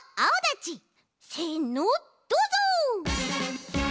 せのどうぞ！